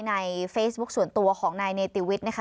ในเฟซบุ๊คส่วนตัวของนายเนติวิทย์นะคะ